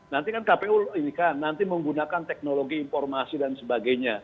nanti kan kpu ini kan nanti menggunakan teknologi informasi dan sebagainya